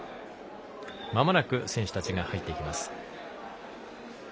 まもなく選手たちが入っていきます。